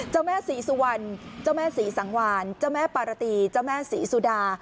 เจ้าแม่ศรีสุวรรณเจ้าแม่ศรีสังวานเจ้าแม่ปารตีเจ้าแม่ศรีสุดา